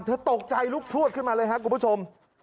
ตกใจลุกพลวดขึ้นมาเลยครับคุณผู้ชม